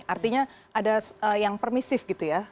artinya ada yang permisif gitu ya